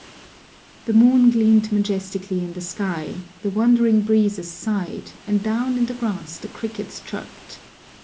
The moon gleamed majestically in the sky, the wandering breezes sighed, and down in the grass the crickets chirped.